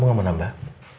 kamu gak mau nambah